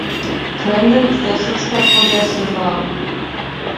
Brendan ist der Schutzpatron der Schiffer.